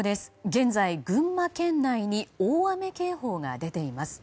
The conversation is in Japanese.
現在、群馬県内に大雨警報が出ています。